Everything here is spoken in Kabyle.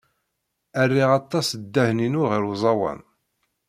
Rriɣ aṭas ddehn-inu ɣer uẓawan.